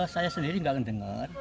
saya sendiri gak ngedenger